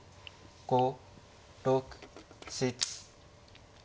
５６７。